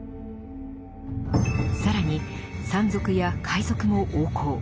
更に山賊や海賊も横行。